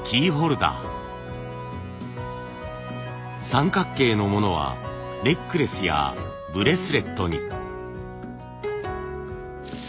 三角形のものはネックレスやブレスレットに。